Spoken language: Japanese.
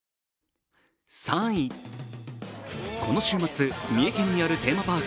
３位、この週末三重県にあるテーマパーク